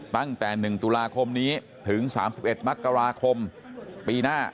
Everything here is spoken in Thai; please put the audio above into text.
ตั้งแต่๑ตุลาคมนี้ถึง๓๑มกราคมปีหน้า